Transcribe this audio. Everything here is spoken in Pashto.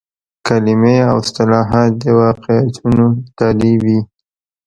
کلمې او اصطلاحات د واقعیتونو تالي وي.